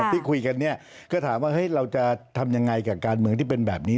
ที่คุยกันเนี่ยก็ถามว่าเราจะทำยังไงกับการเมืองที่เป็นแบบนี้